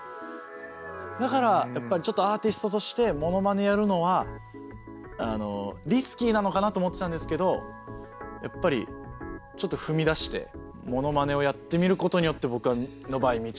だからやっぱりちょっとアーティストとしてモノマネやるのはリスキーなのかなと思ってたんですけどやっぱりちょっと踏み出してモノマネをやってみることによって僕の場合道が開けたので。